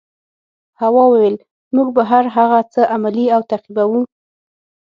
هوا وویل موږ به هر هغه څه عملي او تعقیبوو.